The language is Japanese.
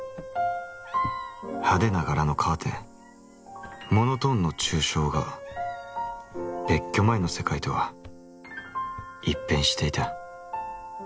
派手な柄のカーテンモノトーンの抽象画別居前の世界とは一変していた。